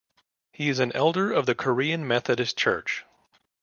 He is an elder of the Korean Methodist Church.